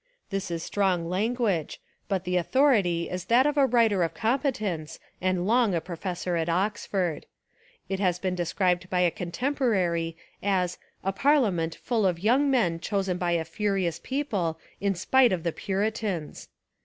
This is strong language, but the authority is that of a writer of competence and long a professor at Oxford. It has been described by a con temporary as a "parliament full of young men chosen by a furious people in spite of the Puri tans."